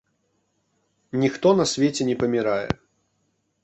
Ніхто на свеце не памірае.